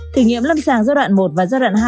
thử nghiệm lâm sàng giai đoạn một và giai đoạn hai